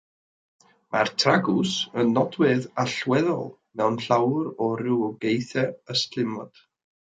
Mae'r tragws yn nodwedd allweddol mewn llawer o rywogaethau ystlumod.